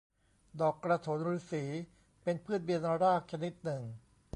ดอกกระโถนฤๅษี เป็นพืชเบียนรากชนิดหนึ่ง